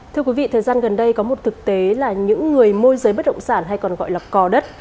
thưa quý vị thời gian gần đây có một thực tế là những người môi giới bất động sản hay còn gọi là cò đất